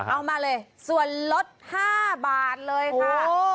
เอามาเลยส่วนลด๕บาทเลยค่ะ